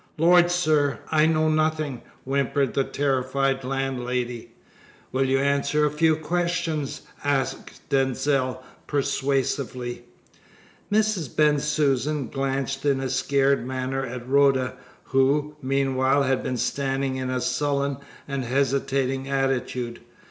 "Lord, sir! I know nothing!" whimpered the terrified landlady. "Will you answer a few questions?" asked Denzil persuasively. Mrs. Bensusan glanced in a scared manner at Rhoda, who, meanwhile, had been standing in a sullen and hesitating attitude.